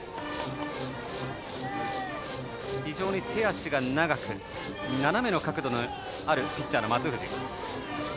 非常に手足が長く斜めの角度のあるピッチャーの松藤。